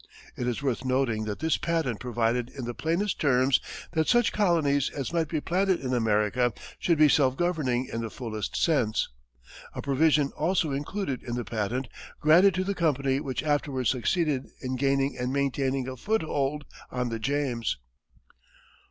It is worth noting that this patent provided in the plainest terms that such colonies as might be planted in America should be self governing in the fullest sense a provision also included in the patent granted to the company which afterwards succeeded in gaining and maintaining a foothold on the James.